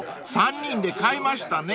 ３人で買いましたね］